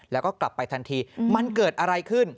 แล้วก็กลับไปทันทีมันเกิดอะไรขึ้น